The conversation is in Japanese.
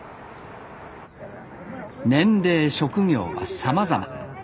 年齢職業はさまざま。